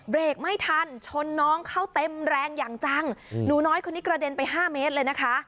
เบรกไม่ทันชนน้องเข้าเต็มแรงอย่างจังหนูน้อยคนนี้กระเด็นไปห้าเมตรเลยนะคะ